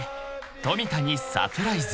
富田にサプライズ］